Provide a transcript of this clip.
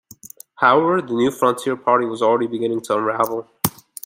However, the New Frontier Party was already beginning to unravel.